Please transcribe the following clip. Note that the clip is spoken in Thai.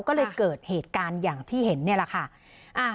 ก็เลยเกิดเหตุการณ์อย่างที่เห็นนี่แหละค่ะ